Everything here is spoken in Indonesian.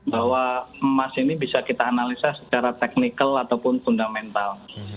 bahwa emas ini bisa kita analisa secara teknikal ataupun fundamental